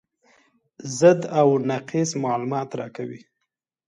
ضد او نقیض معلومات راکوي.